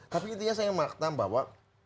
tapi intinya saya ingin mengatakan bahwa